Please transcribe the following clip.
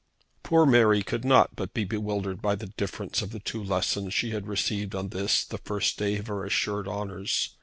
Poor Mary could not but be bewildered by the difference of the two lessons she had received on this the first day of her assured honours.